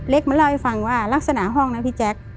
เล็กมันเล่าให้ฟังว่าลักษณะห้องนะพี่แจ๊ก